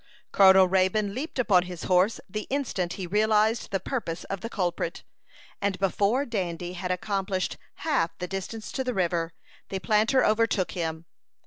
Colonel Raybone leaped upon his horse the instant he realized the purpose of the culprit, and, before Dandy had accomplished half the distance to the river, the planter overtook him.